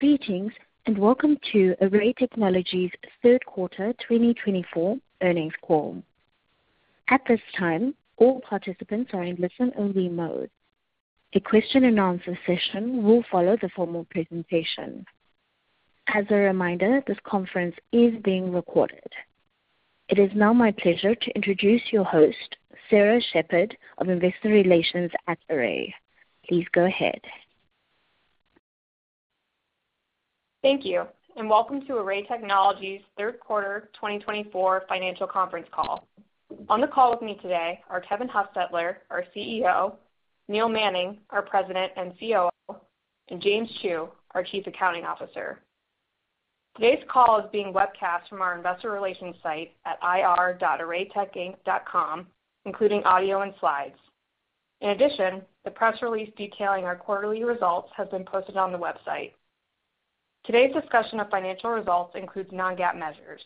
Greetings and welcome to Array Technologies' Third Quarter 2024 Earnings Call. At this time, all participants are in listen-only mode. A question-and-answer session will follow the formal presentation. As a reminder, this conference is being recorded. It is now my pleasure to introduce your host, Sarah Sheppard of Investor Relations at Array. Please go ahead. Thank you, and welcome to Array Technologies' Third Quarter 2024 Financial Conference Call. On the call with me today are Kevin Hostetler, our CEO, Neil Manning, our President and COO, and James Zhu, our Chief Accounting Officer. Today's call is being webcast from our investor relations site at ir.arraytechinc.com, including audio and slides. In addition, the press release detailing our quarterly results has been posted on the website. Today's discussion of financial results includes non-GAAP measures.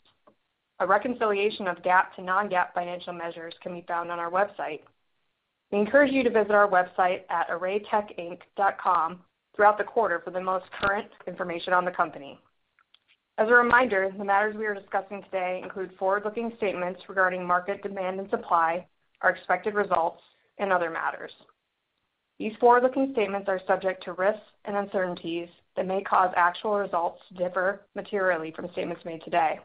A reconciliation of GAAP to non-GAAP financial measures can be found on our website. We encourage you to visit our website at arraytechinc.com throughout the quarter for the most current information on the company. As a reminder, the matters we are discussing today include forward-looking statements regarding market demand and supply, our expected results, and other matters. These forward-looking statements are subject to risks and uncertainties that may cause actual results to differ materially from statements made today.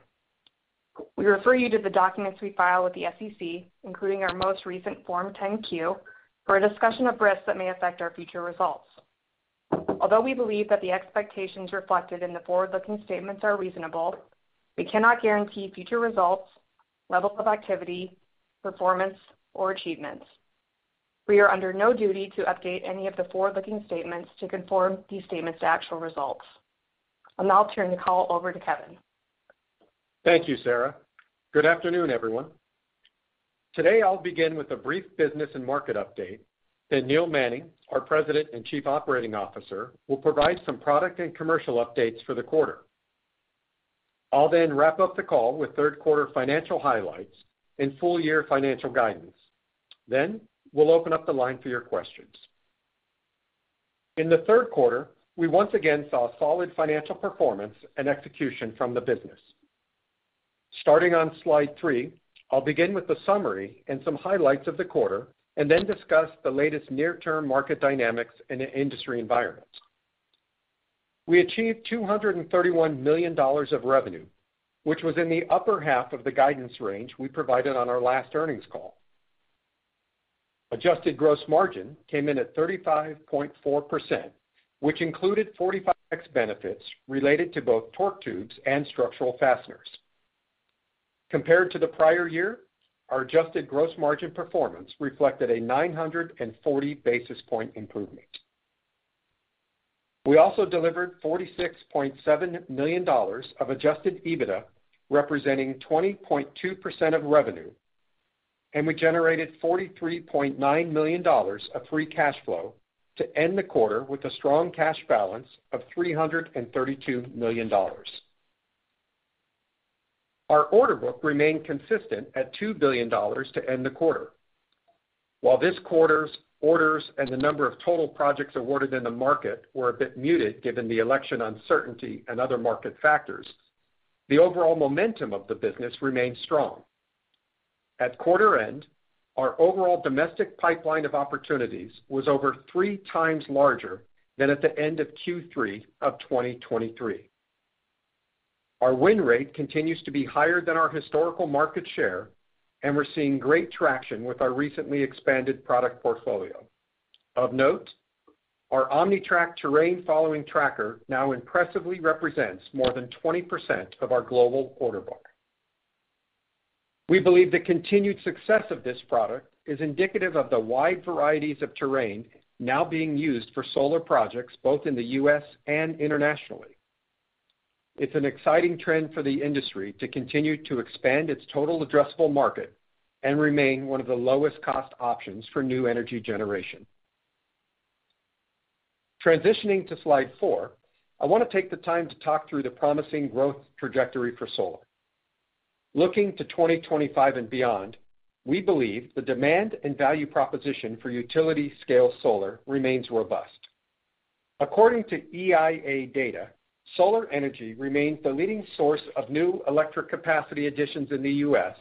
We refer you to the documents we file with the SEC, including our most recent Form 10-Q, for a discussion of risks that may affect our future results. Although we believe that the expectations reflected in the forward-looking statements are reasonable, we cannot guarantee future results, level of activity, performance, or achievements. We are under no duty to update any of the forward-looking statements to conform these statements to actual results. I'll now turn the call over to Kevin. Thank you, Sarah. Good afternoon, everyone. Today, I'll begin with a brief business and market update that Neil Manning, our President and Chief Operating Officer, will provide some product and commercial updates for the quarter. I'll then wrap up the call with third quarter financial highlights and full-year financial guidance. Then, we'll open up the line for your questions. In the third quarter, we once again saw solid financial performance and execution from the business. Starting on slide three, I'll begin with the summary and some highlights of the quarter, and then discuss the latest near-term market dynamics and industry environment. We achieved $231 million of revenue, which was in the upper half of the guidance range we provided on our last earnings call. Adjusted gross margin came in at 35.4%, which included 45X benefits related to both torque tubes and structural fasteners. Compared to the prior year, our adjusted gross margin performance reflected a 940 basis points improvement. We also delivered $46.7 million of Adjusted EBITDA, representing 20.2% of revenue, and we generated $43.9 million of Free Cash Flow to end the quarter with a strong cash balance of $332 million. Our order book remained consistent at $2 billion to end the quarter. While this quarter's orders and the number of total projects awarded in the market were a bit muted given the election uncertainty and other market factors, the overall momentum of the business remained strong. At quarter end, our overall domestic pipeline of opportunities was over three times larger than at the end of Q3 of 2023. Our win rate continues to be higher than our historical market share, and we're seeing great traction with our recently expanded product portfolio. Of note, our OmniTrack terrain-following tracker now impressively represents more than 20% of our global order book. We believe the continued success of this product is indicative of the wide varieties of terrain now being used for solar projects both in the U.S. and internationally. It's an exciting trend for the industry to continue to expand its total addressable market and remain one of the lowest-cost options for new energy generation. Transitioning to slide four, I want to take the time to talk through the promising growth trajectory for solar. Looking to 2025 and beyond, we believe the demand and value proposition for utility-scale solar remains robust. According to EIA data, solar energy remains the leading source of new electric capacity additions in the U.S.,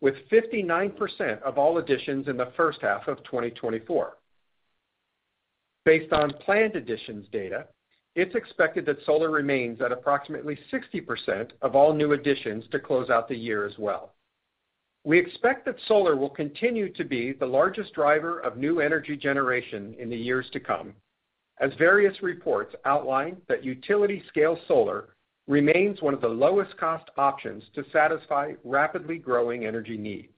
with 59% of all additions in the first half of 2024. Based on planned additions data, it's expected that solar remains at approximately 60% of all new additions to close out the year as well. We expect that solar will continue to be the largest driver of new energy generation in the years to come, as various reports outline that utility-scale solar remains one of the lowest-cost options to satisfy rapidly growing energy needs.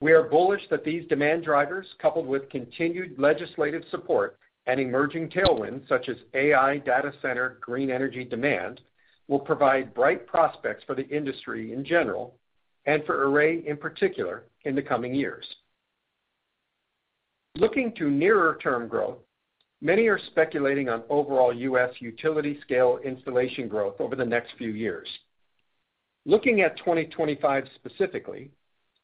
We are bullish that these demand drivers, coupled with continued legislative support and emerging tailwinds such as AI data center green energy demand, will provide bright prospects for the industry in general and for Array in particular in the coming years. Looking to nearer-term growth, many are speculating on overall U.S. utility-scale installation growth over the next few years. Looking at 2025 specifically,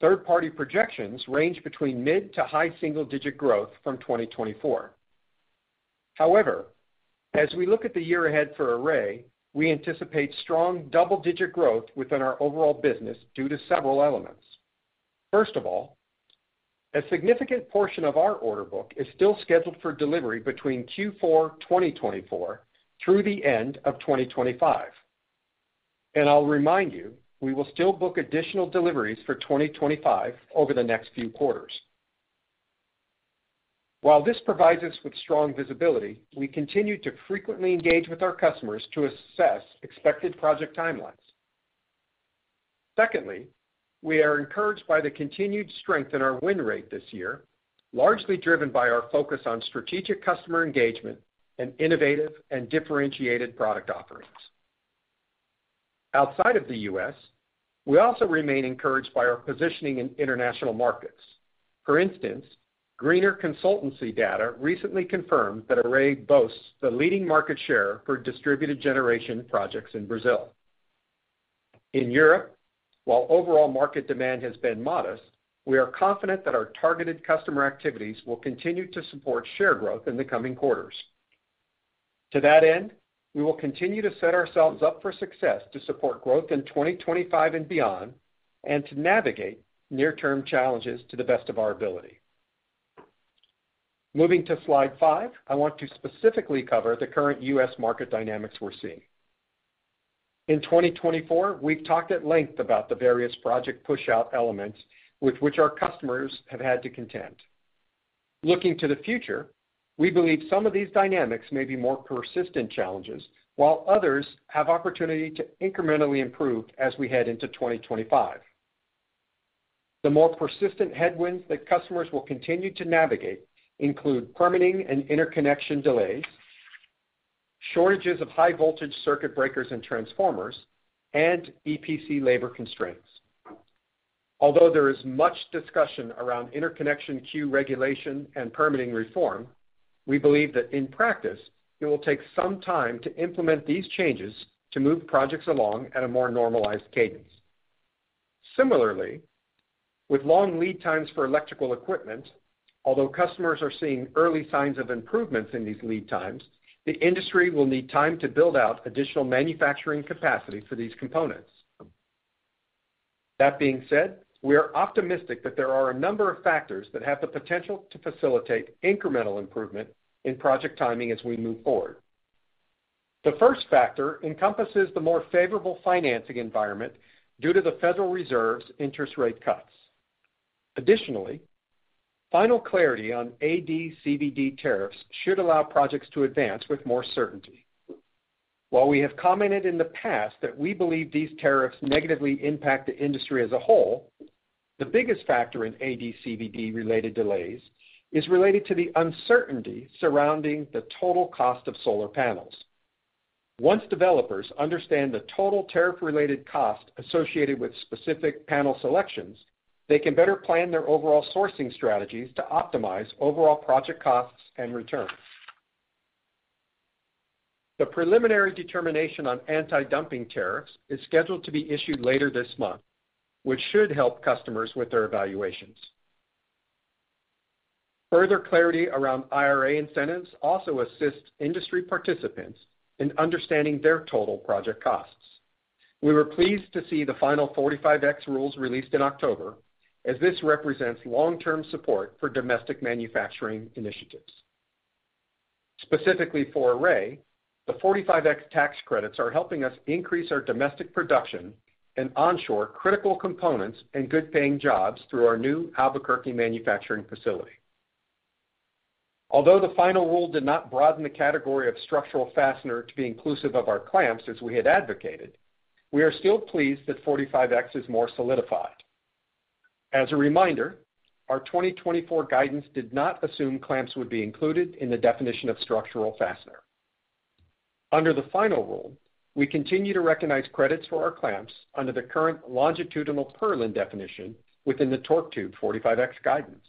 third-party projections range between mid to high single-digit growth from 2024. However, as we look at the year ahead for Array, we anticipate strong double-digit growth within our overall business due to several elements. First of all, a significant portion of our order book is still scheduled for delivery between Q4 2024 through the end of 2025. And I'll remind you, we will still book additional deliveries for 2025 over the next few quarters. While this provides us with strong visibility, we continue to frequently engage with our customers to assess expected project timelines. Secondly, we are encouraged by the continued strength in our win rate this year, largely driven by our focus on strategic customer engagement and innovative and differentiated product offerings. Outside of the U.S., we also remain encouraged by our positioning in international markets. For instance, Greener Consultancy data recently confirmed that Array boasts the leading market share for distributed generation projects in Brazil. In Europe, while overall market demand has been modest, we are confident that our targeted customer activities will continue to support share growth in the coming quarters. To that end, we will continue to set ourselves up for success to support growth in 2025 and beyond and to navigate near-term challenges to the best of our ability. Moving to slide five, I want to specifically cover the current U.S. market dynamics we're seeing. In 2024, we've talked at length about the various project push-out elements with which our customers have had to contend. Looking to the future, we believe some of these dynamics may be more persistent challenges, while others have opportunity to incrementally improve as we head into 2025. The more persistent headwinds that customers will continue to navigate include permitting and interconnection delays, shortages of high-voltage circuit breakers and transformers, and EPC labor constraints. Although there is much discussion around interconnection queue regulation and permitting reform, we believe that in practice, it will take some time to implement these changes to move projects along at a more normalized cadence. Similarly, with long lead times for electrical equipment, although customers are seeing early signs of improvements in these lead times, the industry will need time to build out additional manufacturing capacity for these components. That being said, we are optimistic that there are a number of factors that have the potential to facilitate incremental improvement in project timing as we move forward. The first factor encompasses the more favorable financing environment due to the Federal Reserve's interest rate cuts. Additionally, final clarity on AD/CVD tariffs should allow projects to advance with more certainty. While we have commented in the past that we believe these tariffs negatively impact the industry as a whole, the biggest factor in AD/CVD-related delays is related to the uncertainty surrounding the total cost of solar panels. Once developers understand the total tariff-related cost associated with specific panel selections, they can better plan their overall sourcing strategies to optimize overall project costs and returns. The preliminary determination on anti-dumping tariffs is scheduled to be issued later this month, which should help customers with their evaluations. Further clarity around IRA incentives also assists industry participants in understanding their total project costs. We were pleased to see the final 45X rules released in October, as this represents long-term support for domestic manufacturing initiatives. Specifically for Array, the 45X tax credits are helping us increase our domestic production and onshore critical components and good-paying jobs through our new Albuquerque manufacturing facility. Although the final rule did not broaden the category of structural fastener to be inclusive of our clamps as we had advocated, we are still pleased that 45X is more solidified. As a reminder, our 2024 guidance did not assume clamps would be included in the definition of structural fastener. Under the final rule, we continue to recognize credits for our clamps under the current longitudinal purlin definition within the torque tube 45X guidance.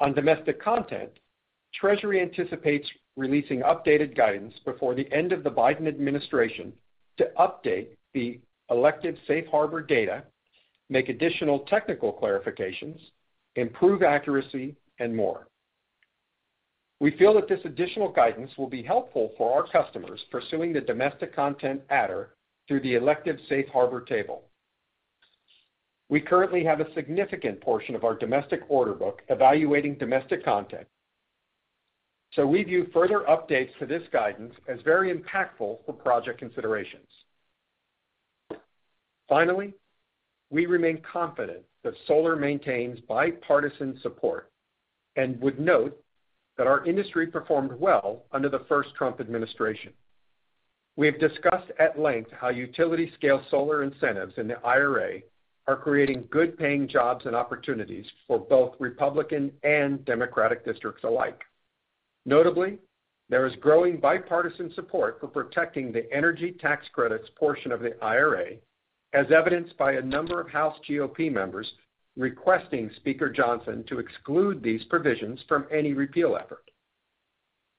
On domestic content, Treasury anticipates releasing updated guidance before the end of the Biden administration to update the elective safe harbor data, make additional technical clarifications, improve accuracy, and more. We feel that this additional guidance will be helpful for our customers pursuing the domestic content adder through the elective safe harbor table. We currently have a significant portion of our domestic order book evaluating domestic content, so we view further updates to this guidance as very impactful for project considerations. Finally, we remain confident that solar maintains bipartisan support and would note that our industry performed well under the first Trump administration. We have discussed at length how utility-scale solar incentives in the IRA are creating good-paying jobs and opportunities for both Republican and Democratic districts alike. Notably, there is growing bipartisan support for protecting the energy tax credits portion of the IRA, as evidenced by a number of House GOP members requesting Speaker Johnson to exclude these provisions from any repeal effort.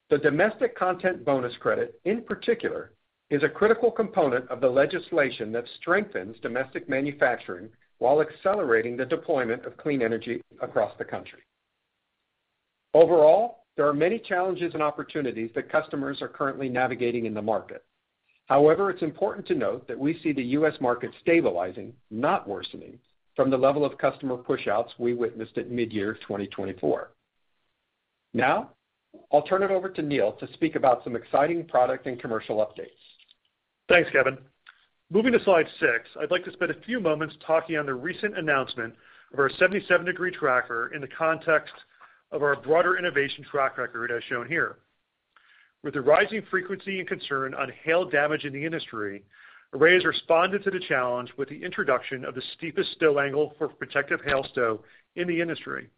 The domestic content bonus credit, in particular, is a critical component of the legislation that strengthens domestic manufacturing while accelerating the deployment of clean energy across the country. Overall, there are many challenges and opportunities that customers are currently navigating in the market. However, it's important to note that we see the U.S. market stabilizing, not worsening, from the level of customer push-outs we witnessed at mid-year 2024. Now, I'll turn it over to Neil to speak about some exciting product and commercial updates. Thanks, Kevin. Moving to slide six, I'd like to spend a few moments talking on the recent announcement of our 77-degree tracker in the context of our broader innovation track record as shown here. With the rising frequency and concern on hail damage in the industry, Array has responded to the challenge with the introduction of the steepest stow angle for protective hail stow in the industry.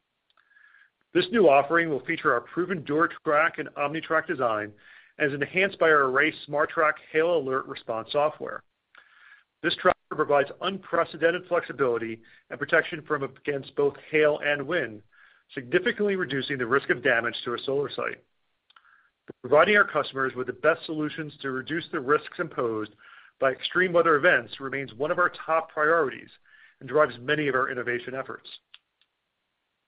This new offering will feature our proven DuraTrack and OmniTrack design as enhanced by our Array SmartTrack Hail Alert Response software. This tracker provides unprecedented flexibility and protection against both hail and wind, significantly reducing the risk of damage to a solar site. Providing our customers with the best solutions to reduce the risks imposed by extreme weather events remains one of our top priorities and drives many of our innovation efforts.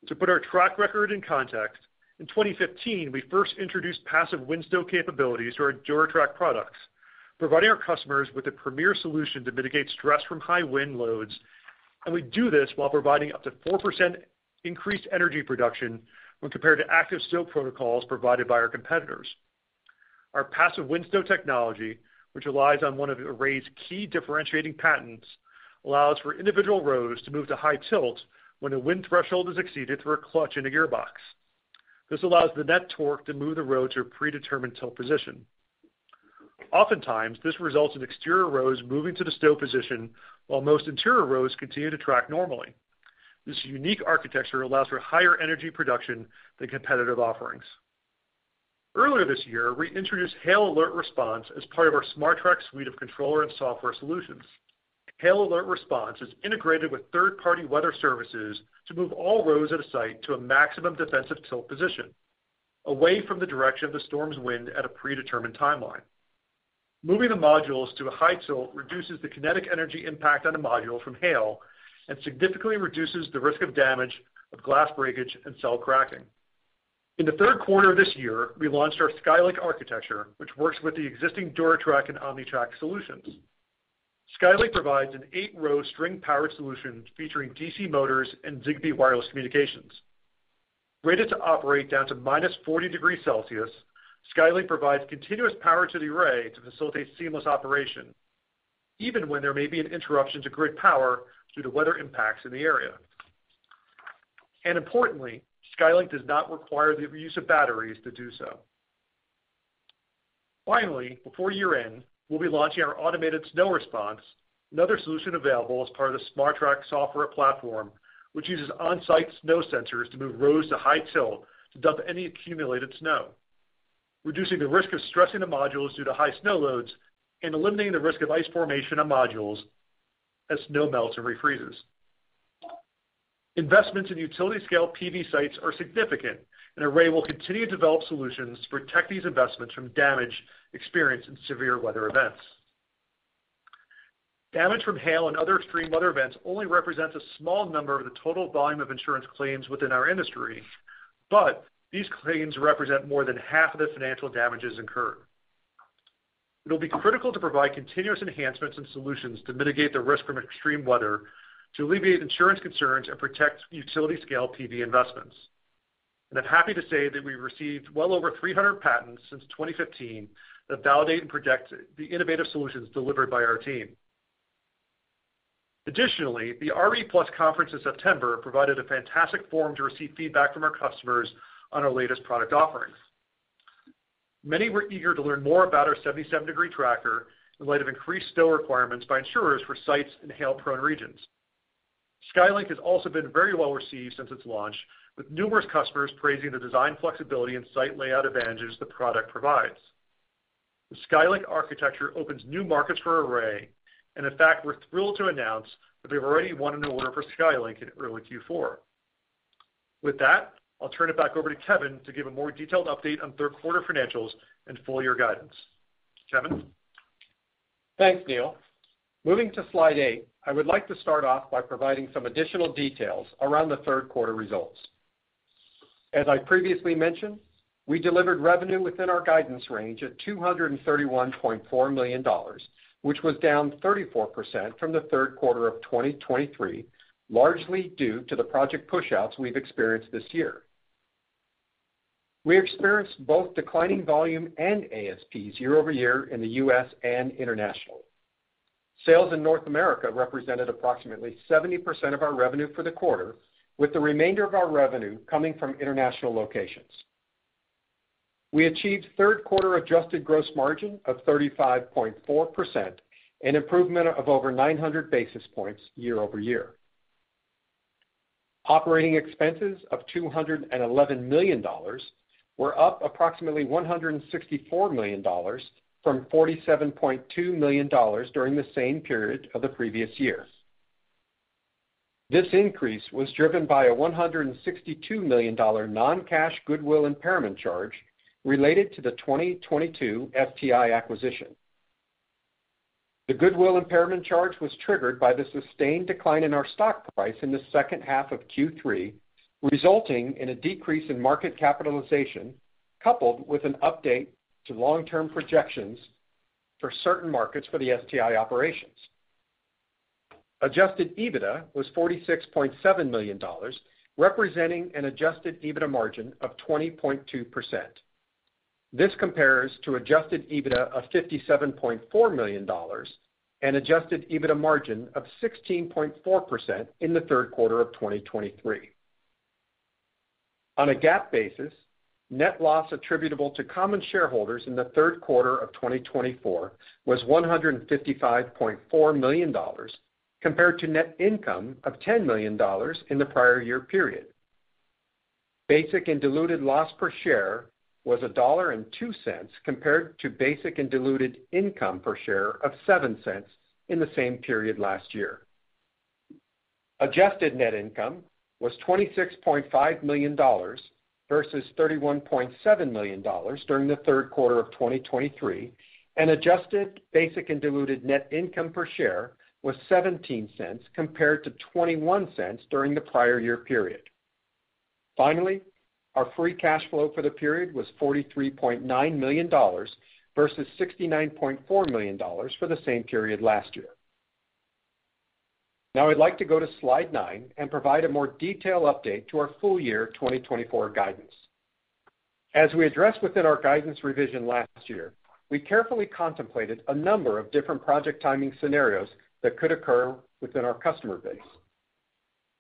To put our track record in context, in 2015, we first introduced passive wind stow capabilities to our DuraTrack products, providing our customers with a premier solution to mitigate stress from high wind loads. And we do this while providing up to 4% increased energy production when compared to active stow protocols provided by our competitors. Our passive wind stow technology, which relies on one of Array's key differentiating patents, allows for individual rows to move to high tilt when a wind threshold is exceeded through a clutch in a gearbox. This allows the net torque to move the row to a predetermined tilt position. Oftentimes, this results in exterior rows moving to the stow position while most interior rows continue to track normally. This unique architecture allows for higher energy production than competitive offerings. Earlier this year, we introduced Hail Alert Response as part of our SmartTrack suite of controller and software solutions. Hail Alert Response is integrated with third-party weather services to move all rows at a site to a maximum defensive tilt position, away from the direction of the storm's wind at a predetermined timeline. Moving the modules to a high tilt reduces the kinetic energy impact on the module from hail and significantly reduces the risk of damage of glass breakage and cell cracking. In the third quarter of this year, we launched our SkyLink architecture, which works with the existing DuraTrack and OmniTrack solutions. SkyLink provides an eight-row string powered solution featuring DC motors and Zigbee wireless communications. Rated to operate down to minus 40 degrees Celsius, SkyLink provides continuous power to the array to facilitate seamless operation, even when there may be an interruption to grid power due to weather impacts in the area. Importantly, SkyLink does not require the use of batteries to do so. Finally, before year-end, we'll be launching our automated snow response, another solution available as part of the SmartTrack software platform, which uses on-site snow sensors to move rows to high tilt to dump any accumulated snow, reducing the risk of stressing the modules due to high snow loads and eliminating the risk of ice formation on modules as snow melts and refreezes. Investments in utility-scale PV sites are significant, and Array will continue to develop solutions to protect these investments from damage experienced in severe weather events. Damage from hail and other extreme weather events only represents a small number of the total volume of insurance claims within our industry, but these claims represent more than half of the financial damages incurred. It'll be critical to provide continuous enhancements and solutions to mitigate the risk from extreme weather to alleviate insurance concerns and protect utility-scale PV investments, and I'm happy to say that we've received well over 300 patents since 2015 that validate and protect the innovative solutions delivered by our team. Additionally, the RE+ conference in September provided a fantastic forum to receive feedback from our customers on our latest product offerings. Many were eager to learn more about our 77-degree tracker in light of increased stow requirements by insurers for sites in hail-prone regions. SkyLink has also been very well received since its launch, with numerous customers praising the design flexibility and site layout advantages the product provides. The SkyLink architecture opens new markets for Array, and in fact, we're thrilled to announce that we've already won an order for SkyLink in early Q4. With that, I'll turn it back over to Kevin to give a more detailed update on third-quarter financials and full-year guidance. Kevin? Thanks, Neil. Moving to slide eight, I would like to start off by providing some additional details around the third-quarter results. As I previously mentioned, we delivered revenue within our guidance range at $231.4 million, which was down 34% from the third quarter of 2023, largely due to the project push-outs we've experienced this year. We experienced both declining volume and ASPs year over year in the U.S. and internationally. Sales in North America represented approximately 70% of our revenue for the quarter, with the remainder of our revenue coming from international locations. We achieved third-quarter adjusted gross margin of 35.4% and improvement of over 900 basis points year over year. Operating expenses of $211 million were up approximately $164 million from $47.2 million during the same period of the previous year. This increase was driven by a $162 million non-cash goodwill impairment charge related to the 2022 STI acquisition. The goodwill impairment charge was triggered by the sustained decline in our stock price in the second half of Q3, resulting in a decrease in market capitalization coupled with an update to long-term projections for certain markets for the STI operations. Adjusted EBITDA was $46.7 million, representing an adjusted EBITDA margin of 20.2%. This compares to adjusted EBITDA of $57.4 million and adjusted EBITDA margin of 16.4% in the third quarter of 2023. On a GAAP basis, net loss attributable to common shareholders in the third quarter of 2024 was $155.4 million compared to net income of $10 million in the prior year period. Basic and diluted loss per share was $1.02 compared to basic and diluted income per share of $0.07 in the same period last year. Adjusted net income was $26.5 million versus $31.7 million during the third quarter of 2023, and adjusted basic and diluted net income per share was $0.17 compared to $0.21 during the prior year period. Finally, our free cash flow for the period was $43.9 million versus $69.4 million for the same period last year. Now, I'd like to go to slide nine and provide a more detailed update to our full-year 2024 guidance. As we addressed within our guidance revision last year, we carefully contemplated a number of different project timing scenarios that could occur within our customer base.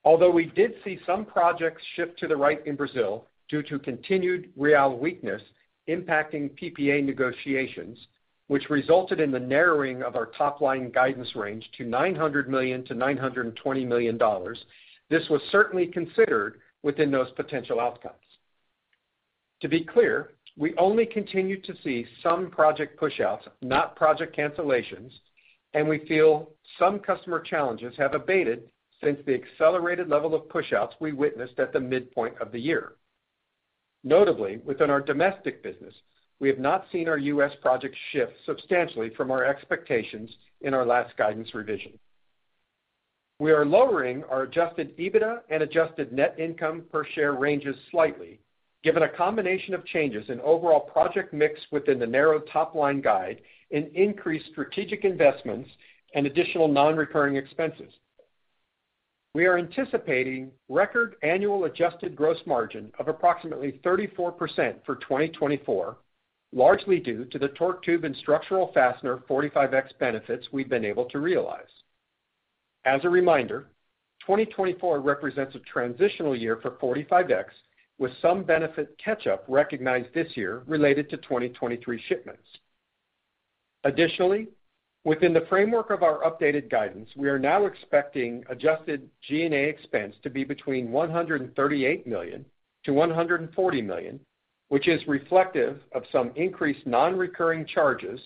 Although we did see some projects shift to the right in Brazil due to continued real weakness impacting PPA negotiations, which resulted in the narrowing of our top-line guidance range to $900 million-$920 million, this was certainly considered within those potential outcomes. To be clear, we only continued to see some project push-outs, not project cancellations, and we feel some customer challenges have abated since the accelerated level of push-outs we witnessed at the midpoint of the year. Notably, within our domestic business, we have not seen our U.S. projects shift substantially from our expectations in our last guidance revision. We are lowering our Adjusted EBITDA and adjusted net income per share ranges slightly, given a combination of changes in overall project mix within the narrow top-line guide and increased strategic investments and additional non-recurring expenses. We are anticipating record annual adjusted gross margin of approximately 34% for 2024, largely due to the torque tube and structural fastener 45X benefits we've been able to realize. As a reminder, 2024 represents a transitional year for 45X, with some benefit catch-up recognized this year related to 2023 shipments. Additionally, within the framework of our updated guidance, we are now expecting adjusted G&A expense to be between $138 million to $140 million, which is reflective of some increased non-recurring charges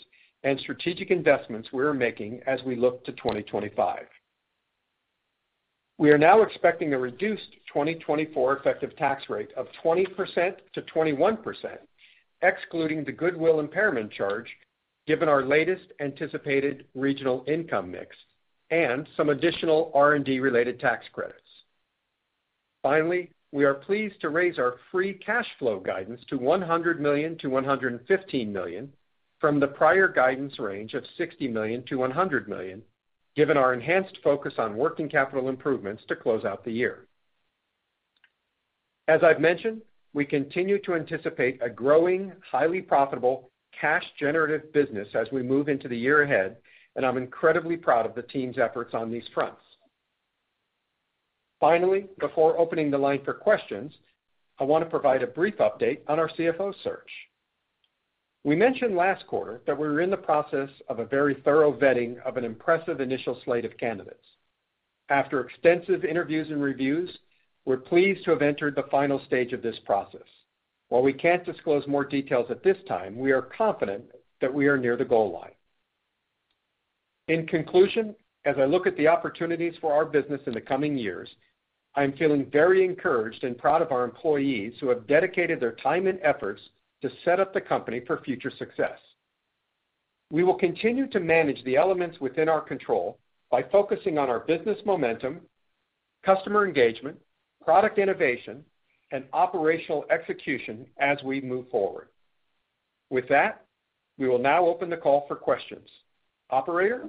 and strategic investments we are making as we look to 2025. We are now expecting a reduced 2024 effective tax rate of 20%-21%, excluding the goodwill impairment charge, given our latest anticipated regional income mix and some additional R&D-related tax credits. Finally, we are pleased to raise our free cash flow guidance to $100 million-$115 million from the prior guidance range of $60 million-$100 million, given our enhanced focus on working capital improvements to close out the year. As I've mentioned, we continue to anticipate a growing, highly profitable cash-generative business as we move into the year ahead, and I'm incredibly proud of the team's efforts on these fronts. Finally, before opening the line for questions, I want to provide a brief update on our CFO search. We mentioned last quarter that we were in the process of a very thorough vetting of an impressive initial slate of candidates. After extensive interviews and reviews, we're pleased to have entered the final stage of this process. While we can't disclose more details at this time, we are confident that we are near the goal line. In conclusion, as I look at the opportunities for our business in the coming years, I'm feeling very encouraged and proud of our employees who have dedicated their time and efforts to set up the company for future success. We will continue to manage the elements within our control by focusing on our business momentum, customer engagement, product innovation, and operational execution as we move forward. With that, we will now open the call for questions. Operator?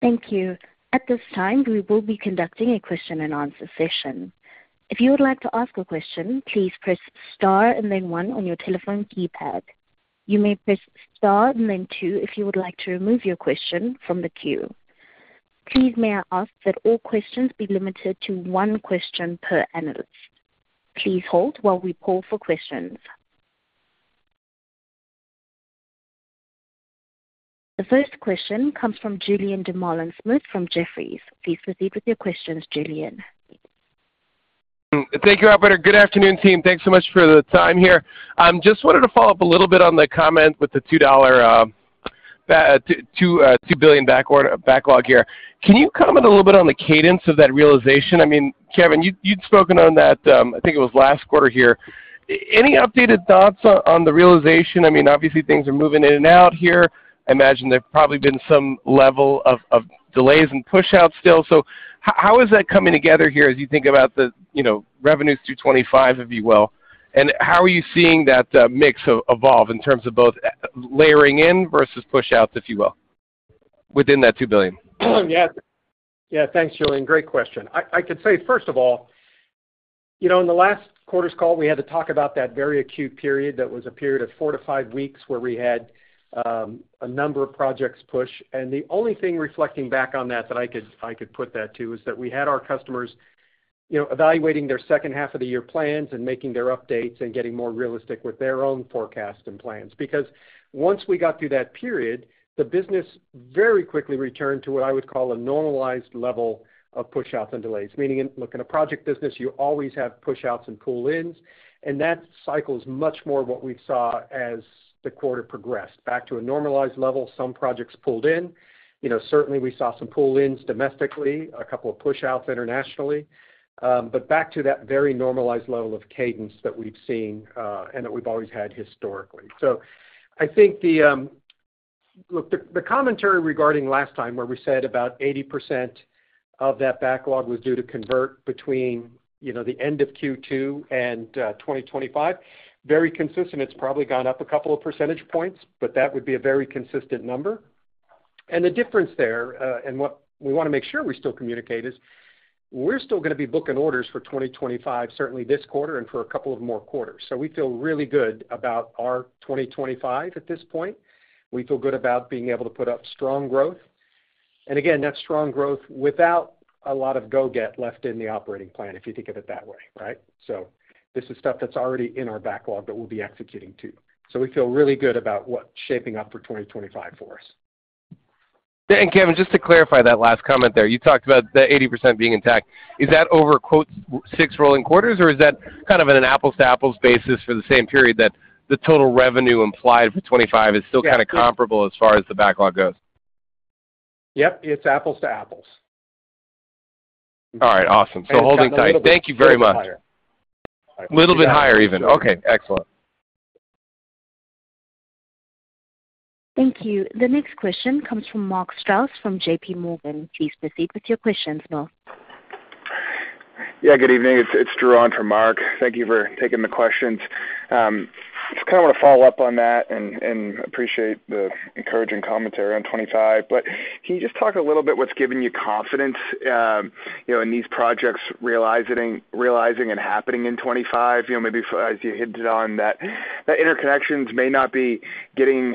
Thank you. At this time, we will be conducting a question-and-answer session. If you would like to ask a question, please press star and then one on your telephone keypad. You may press star and then two if you would like to remove your question from the queue. Please may I ask that all questions be limited to one question per analyst? Please hold while we pull for questions. The first question comes from Julien Dumoulin-Smith from Jefferies. Please proceed with your questions, Julien. Thank you, Operator. Good afternoon, team. Thanks so much for the time here. I just wanted to follow up a little bit on the comment with the $2 billion backlog here. Can you comment a little bit on the cadence of that realization? I mean, Kevin, you'd spoken on that, I think it was last quarter here. Any updated thoughts on the realization? I mean, obviously, things are moving in and out here. I imagine there's probably been some level of delays and push-outs still. So how is that coming together here as you think about the revenues through 2025, if you will? And how are you seeing that mix evolve in terms of both layering in versus push-outs, if you will, within that $2 billion? Yeah. Yeah. Thanks, Julien. Great question. I could say, first of all, in the last quarter's call, we had to talk about that very acute period that was a period of four to five weeks where we had a number of projects push. And the only thing reflecting back on that that I could put that to is that we had our customers evaluating their second half of the year plans and making their updates and getting more realistic with their own forecasts and plans. Because once we got through that period, the business very quickly returned to what I would call a normalized level of push-outs and delays. Meaning, look, in a project business, you always have push-outs and pull-ins, and that cycle is much more what we saw as the quarter progressed. Back to a normalized level, some projects pulled in. Certainly, we saw some pull-ins domestically, a couple of push-outs internationally. But back to that very normalized level of cadence that we've seen and that we've always had historically. So I think the commentary regarding last time where we said about 80% of that backlog was due to convert between the end of Q2 and 2025, very consistent. It's probably gone up a couple of percentage points, but that would be a very consistent number. And the difference there, and what we want to make sure we still communicate, is we're still going to be booking orders for 2025, certainly this quarter and for a couple of more quarters. We feel really good about our 2025 at this point. We feel good about being able to put up strong growth. And again, that's strong growth without a lot of go-get left in the operating plan, if you think of it that way, right? So this is stuff that's already in our backlog that we'll be executing too. So we feel really good about what's shaping up for 2025 for us. And Kevin, just to clarify that last comment there, you talked about the 80% being intact. Is that over six rolling quarters, or is that kind of on an apples-to-apples basis for the same period that the total revenue implied for 2025 is still kind of comparable as far as the backlog goes? Yep. It's apples-to-apples. All right. Awesome. So holding tight. Thank you very much. A little bit higher even. Okay. Excellent. Thank you. The next question comes from Mark Strouse from J.P. Morgan. Please proceed with your questions, Mark. Yeah. Good evening. It's Drew on from Mark. Thank you for taking the questions. Just kind of want to follow up on that and appreciate the encouraging commentary on 2025. But can you just talk a little bit what's given you confidence in these projects realizing and happening in 2025? Maybe as you hinted on that interconnections may not be getting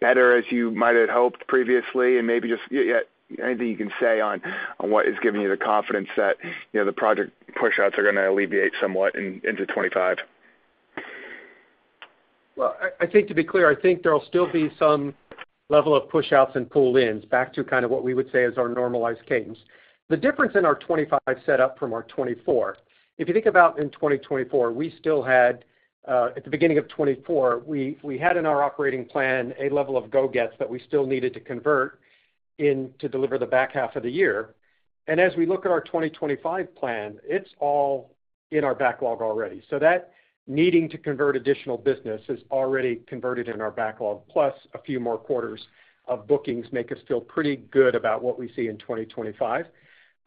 better as you might have hoped previously. And maybe just anything you can say on what is giving you the confidence that the project push-outs are going to alleviate somewhat into 2025? Well, I think to be clear, I think there'll still be some level of push-outs and pull-ins back to kind of what we would say is our normalized cadence. The difference in our 2025 setup from our 2024, if you think about in 2024, we still had at the beginning of 2024, we had in our operating plan a level of go-gets that we still needed to convert into deliver the back half of the year. And as we look at our 2025 plan, it's all in our backlog already. So that needing to convert additional business is already converted in our backlog, plus a few more quarters of bookings make us feel pretty good about what we see in 2025.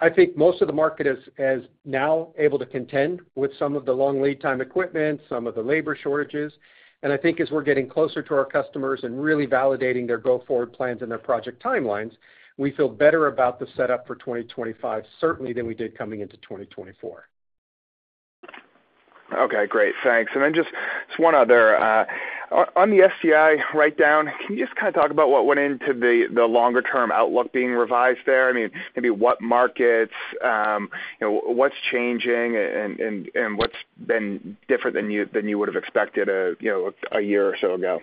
I think most of the market is now able to contend with some of the long lead time equipment, some of the labor shortages. And I think as we're getting closer to our customers and really validating their go-forward plans and their project timelines, we feel better about the setup for 2025 certainly than we did coming into 2024. Okay. Great. Thanks. And then just one other. On the STI write-down, can you just kind of talk about what went into the longer-term outlook being revised there? I mean, maybe what markets, what's changing, and what's been different than you would have expected a year or so ago?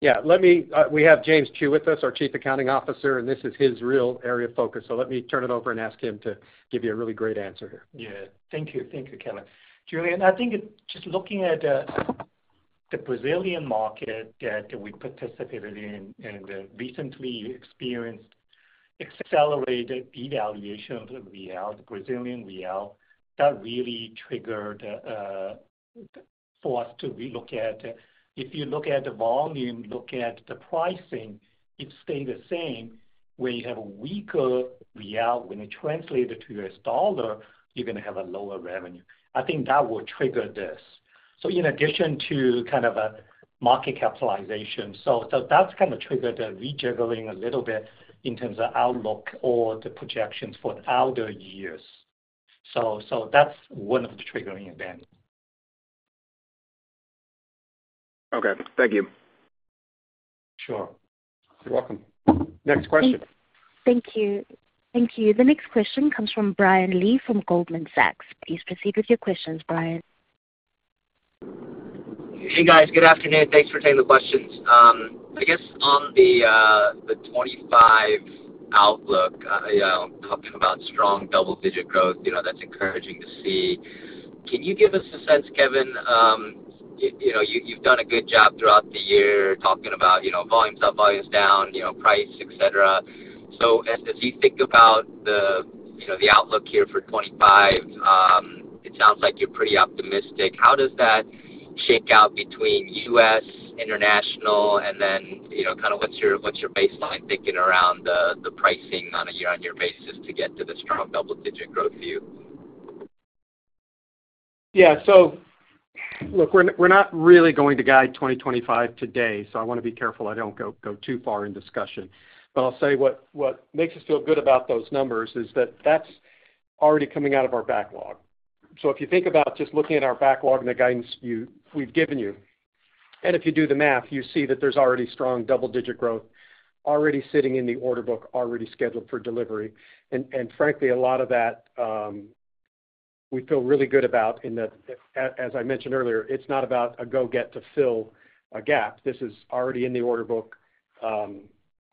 Yeah. We have James Zhu with us, our Chief Accounting Officer, and this is his real area of focus. So let me turn it over and ask him to give you a really great answer here. Yeah. Thank you. Thank you, Kevin. Julian, I think just looking at the Brazilian market that we participated in and recently experienced accelerated devaluation of the Brazilian real, that really triggered for us to look at. If you look at the volume, look at the pricing, it stayed the same. When you have a weaker real when it's translated to U.S. dollar, you're going to have a lower revenue. I think that will trigger this. So in addition to kind of a market capitalization, so that's kind of triggered the rejiggering a little bit in terms of outlook or the projections for the outer years. So that's one of the triggering events. Okay. Thank you. Sure. You're welcome. Next question. Thank you. Thank you. The next question comes from Brian Lee from Goldman Sachs. Please proceed with your questions, Brian. Hey, guys. Good afternoon. Thanks for taking the questions. I guess on the 2025 outlook, talking about strong double-digit growth, that's encouraging to see. Can you give us a sense, Kevin? You've done a good job throughout the year talking about volumes up, volumes down, price, etc. So as you think about the outlook here for 2025, it sounds like you're pretty optimistic. How does that shake out between U.S., international, and then kind of what's your baseline thinking around the pricing on a year-on-year basis to get to the strong double-digit growth view? Yeah. So look, we're not really going to guide 2025 today, so I want to be careful I don't go too far in discussion. But I'll say what makes us feel good about those numbers is that that's already coming out of our backlog. If you think about just looking at our backlog and the guidance we've given you, and if you do the math, you see that there's already strong double-digit growth already sitting in the order book, already scheduled for delivery. Frankly, a lot of that we feel really good about in that, as I mentioned earlier, it's not about a go-get to fill a gap. This is already in the order book,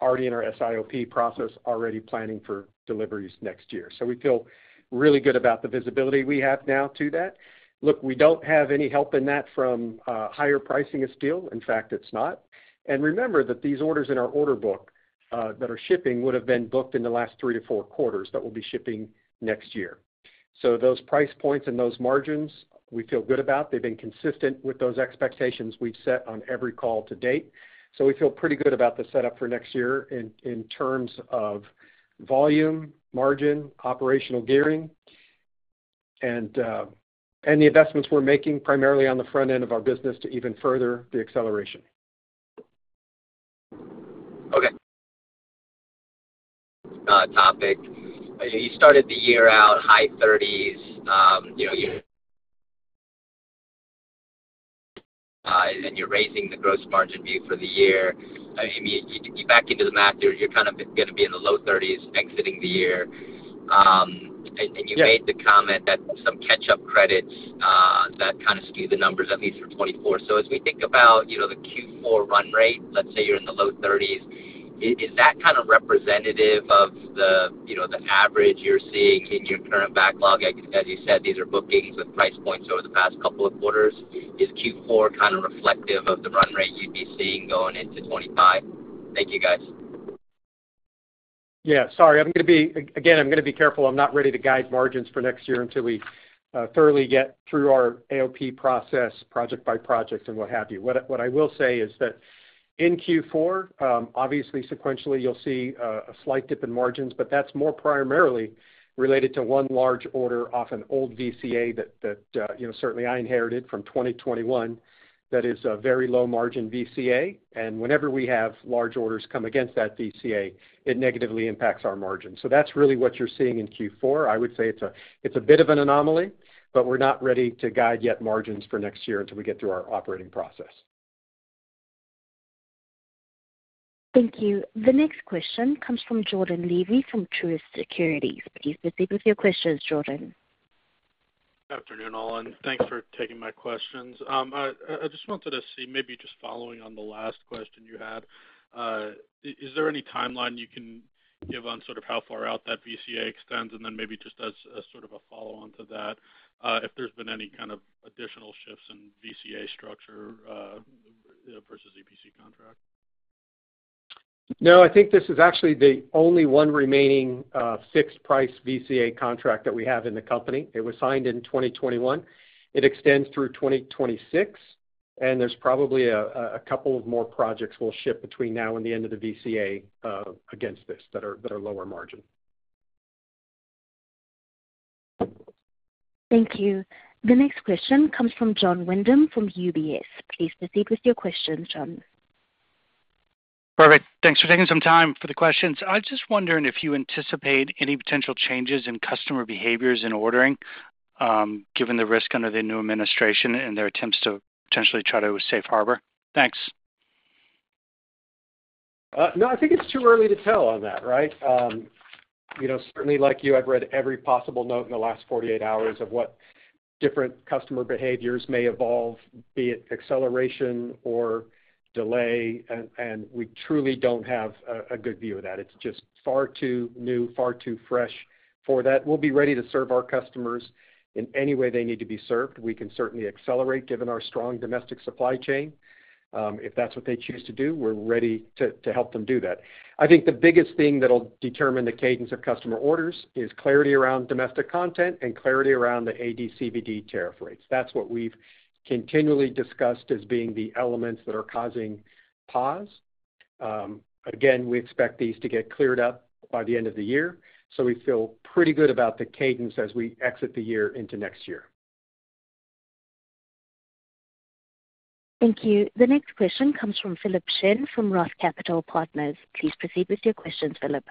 already in our SIOP process, already planning for deliveries next year. We feel really good about the visibility we have now to that. Look, we don't have any help in that from higher pricing. It's still, in fact, it's not. Remember that these orders in our order book that are shipping would have been booked in the last three-to-four quarters that will be shipping next year. So those price points and those margins, we feel good about. They've been consistent with those expectations we've set on every call to date. So we feel pretty good about the setup for next year in terms of volume, margin, operational gearing, and the investments we're making primarily on the front end of our business to even further the acceleration. Okay. Topic. You started the year out high 30s%. And you're raising the gross margin view for the year. You back into the math, you're kind of going to be in the low 30s% exiting the year. And you made the comment that some catch-up credits that kind of skew the numbers at least for 2024. So as we think about the Q4 run rate, let's say you're in the low 30s%, is that kind of representative of the average you're seeing in your current backlog? As you said, these are bookings with price points over the past couple of quarters. Is Q4 kind of reflective of the run rate you'd be seeing going into 2025? Thank you, guys. Yeah. Sorry. Again, I'm going to be careful. I'm not ready to guide margins for next year until we thoroughly get through our AOP process, project by project and what have you. What I will say is that in Q4, obviously, sequentially, you'll see a slight dip in margins, but that's more primarily related to one large order off an old VCA that certainly I inherited from 2021 that is a very low-margin VCA. Whenever we have large orders come against that VCA, it negatively impacts our margins. That's really what you're seeing in Q4. I would say it's a bit of an anomaly, but we're not ready to guide yet margins for next year until we get through our operating process. Thank you. The next question comes from Jordan Levy from Truist Securities. Please proceed with your questions, Jordan. Good afternoon, all. And thanks for taking my questions. I just wanted to see maybe just following on the last question you had. Is there any timeline you can give on sort of how far out that VCA extends? And then maybe just as sort of a follow-on to that, if there's been any kind of additional shifts in VCA structure versus EPC contract? No, I think this is actually the only one remaining fixed-price VCA contract that we have in the company. It was signed in 2021. It extends through 2026, and there's probably a couple of more projects we'll ship between now and the end of the VCA against this that are lower margin. Thank you. The next question comes from Jon Windham from UBS. Please proceed with your questions, John. Perfect. Thanks for taking some time for the questions. I was just wondering if you anticipate any potential changes in customer behaviors in ordering given the risk under the new administration and their attempts to potentially try to safe harbor. Thanks. No, I think it's too early to tell on that, right? Certainly, like you, I've read every possible note in the last 48 hours of what different customer behaviors may evolve, be it acceleration or delay. And we truly don't have a good view of that. It's just far too new, far too fresh for that. We'll be ready to serve our customers in any way they need to be served. We can certainly accelerate given our strong domestic supply chain. If that's what they choose to do, we're ready to help them do that. I think the biggest thing that'll determine the cadence of customer orders is clarity around domestic content and clarity around the AD/CVD tariff rates. That's what we've continually discussed as being the elements that are causing pause. Again, we expect these to get cleared up by the end of the year. So we feel pretty good about the cadence as we exit the year into next year. Thank you. The next question comes from Philip Shen from Roth Capital Partners. Please proceed with your questions, Philip.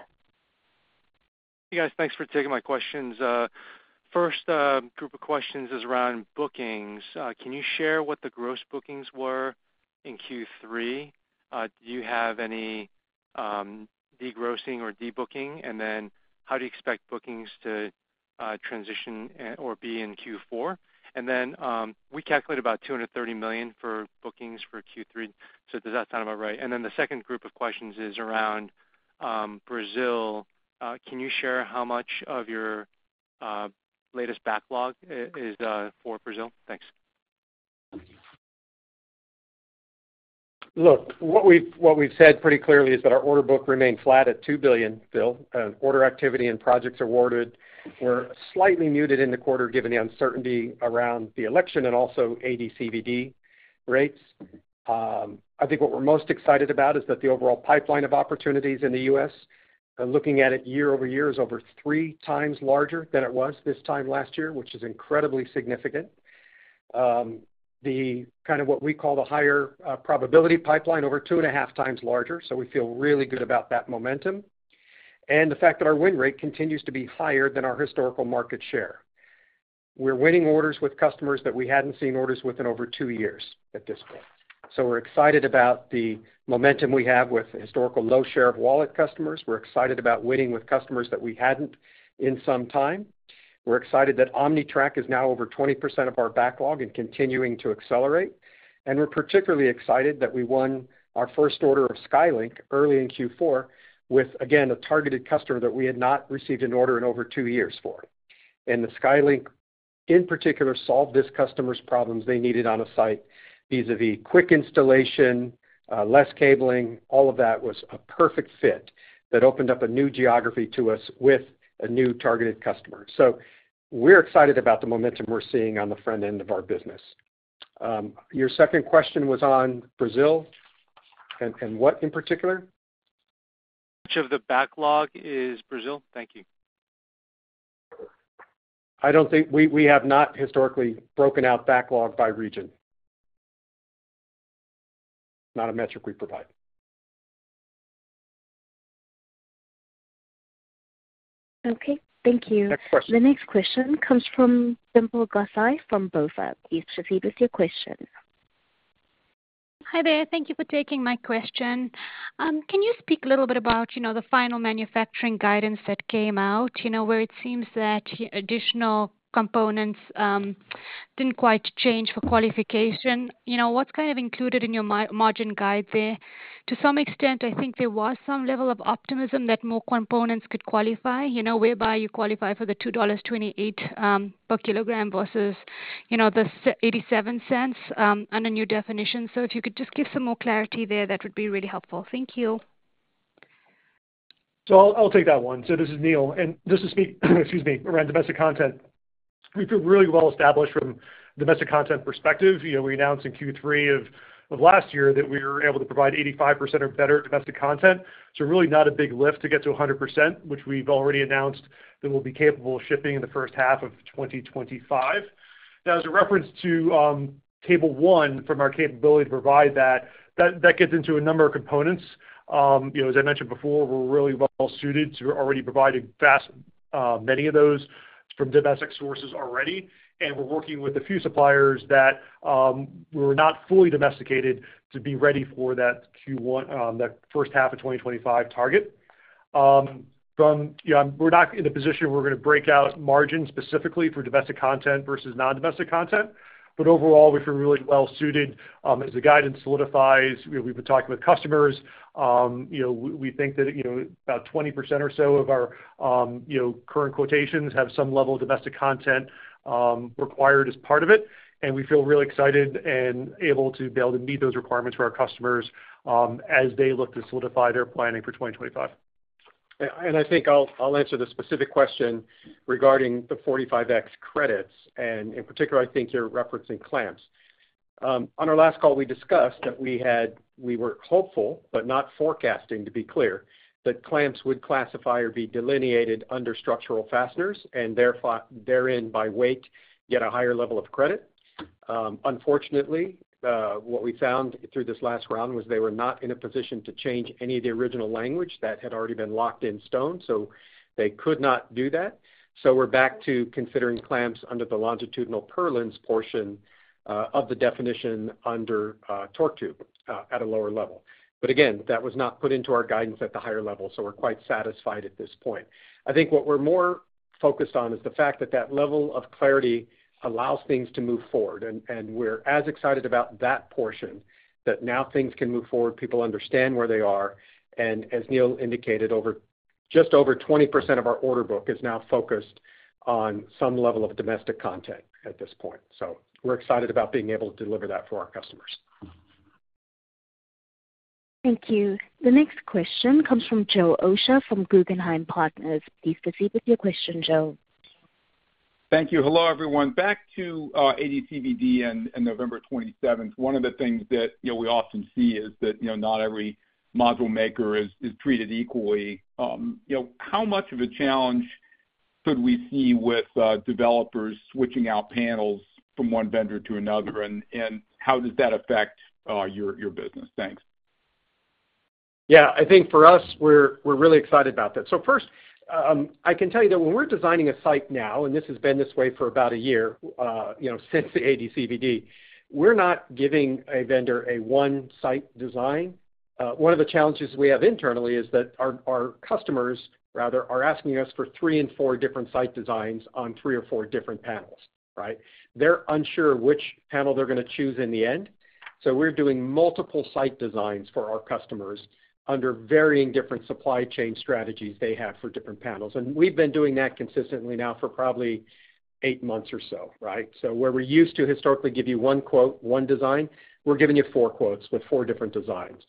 Hey, guys. Thanks for taking my questions. First group of questions is around bookings. Can you share what the gross bookings were in Q3? Do you have any degrossing or debooking? And then how do you expect bookings to transition or be in Q4? And then we calculate about $230 million for bookings for Q3. So does that sound about right? And then the second group of questions is around Brazil. Can you share how much of your latest backlog is for Brazil? Thanks. Look, what we've said pretty clearly is that our order book remained flat at $2 billion, Phil, and order activity and projects awarded were slightly muted in the quarter given the uncertainty around the election and also AD/CVD rates. I think what we're most excited about is that the overall pipeline of opportunities in the U.S., looking at it year over year, is over three times larger than it was this time last year, which is incredibly significant. The kind of what we call the higher probability pipeline is over two and a half times larger. So we feel really good about that momentum and the fact that our win rate continues to be higher than our historical market share. We're winning orders with customers that we hadn't seen orders with in over two years at this point. So we're excited about the momentum we have with historical low share of wallet customers. We're excited about winning with customers that we hadn't in some time. We're excited that OmniTrack is now over 20% of our backlog and continuing to accelerate. And we're particularly excited that we won our first order of SkyLink early in Q4 with, again, a targeted customer that we had not received an order in over two years for. And the SkyLink, in particular, solved this customer's problems they needed on a site vis-à-vis quick installation, less cabling. All of that was a perfect fit that opened up a new geography to us with a new targeted customer. So we're excited about the momentum we're seeing on the front end of our business. Your second question was on Brazil and what in particular? Much of the backlog is Brazil. Thank you. We have not historically broken out backlog by region. Not a metric we provide. Okay. Thank you. Next question. The next question comes from Dimple Gosai from BofA. Please proceed with your question. Hi there. Thank you for taking my question. Can you speak a little bit about the final manufacturing guidance that came out where it seems that additional components didn't quite change for qualification? What's kind of included in your margin guide there? To some extent, I think there was some level of optimism that more components could qualify, whereby you qualify for the $2.28 per kilogram versus the $0.87 under new definitions. So if you could just give some more clarity there, that would be really helpful. Thank you. So I'll take that one. So this is Neil speaking. Excuse me, around domestic content. We feel really well established from a domestic content perspective. We announced in Q3 of last year that we were able to provide 85% or better domestic content. So really not a big lift to get to 100%, which we've already announced that we'll be capable of shipping in the first half of 2025. Now, as a reference to table one from our capability to provide that, that gets into a number of components. As I mentioned before, we're really well suited to already providing many of those from domestic sources already, and we're working with a few suppliers that were not fully domesticated to be ready for that first half of 2025 target. We're not in a position where we're going to break out margin specifically for domestic content versus non-domestic content, but overall, we feel really well suited as the guidance solidifies. We've been talking with customers. We think that about 20% or so of our current quotations have some level of domestic content required as part of it, and we feel really excited and able to be able to meet those requirements for our customers as they look to solidify their planning for 2025, and I think I'll answer the specific question regarding the 45X credits, and in particular, I think you're referencing clamps. On our last call, we discussed that we were hopeful, but not forecasting, to be clear, that clamps would classify or be delineated under Structural Fasteners and therein by weight, yet a higher level of credit. Unfortunately, what we found through this last round was they were not in a position to change any of the original language that had already been locked in stone, so they could not do that, so we're back to considering clamps under the longitudinal purlins portion of the definition under torque tube at a lower level. But again, that was not put into our guidance at the higher level, so we're quite satisfied at this point. I think what we're more focused on is the fact that that level of clarity allows things to move forward, and we're as excited about that portion that now things can move forward, people understand where they are. And as Neil indicated, just over 20% of our order book is now focused on some level of domestic content at this point. So we're excited about being able to deliver that for our customers. Thank you. The next question comes from Joseph Osha from Guggenheim Partners. Please proceed with your question, Joe. Thank you. Hello, everyone. Back to AD/CVD and November 27th. One of the things that we often see is that not every module maker is treated equally. How much of a challenge could we see with developers switching out panels from one vendor to another? And how does that affect your business? Thanks. Yeah. I think for us, we're really excited about that. So first, I can tell you that when we're designing a site now, and this has been this way for about a year since the AD/CVD, we're not giving a vendor a one-site design. One of the challenges we have internally is that our customers, rather, are asking us for three and four different site designs on three or four different panels, right? They're unsure which panel they're going to choose in the end. So we're doing multiple site designs for our customers under varying different supply chain strategies they have for different panels. And we've been doing that consistently now for probably eight months or so, right? So where we're used to historically give you one quote, one design, we're giving you four quotes with four different designs.